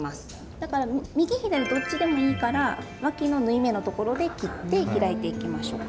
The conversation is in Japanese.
だから右左どっちでもいいからわきの縫い目のところで切って開いていきましょうか。